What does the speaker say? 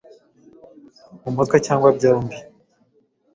mu mutwe cyangwa byombi.